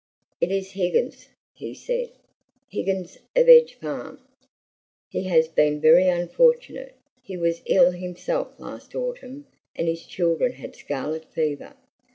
"It is Higgins," he said; "Higgins of Edge Farm. He has been very unfortunate. He was ill himself last autumn, and his children had scarlet fever.